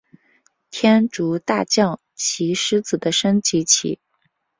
天竺大将棋狮子的升级棋。